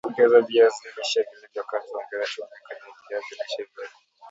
Ongeza viazi lishe vilivyokatwa Ongeza chumvi kenye viazi lishe vyako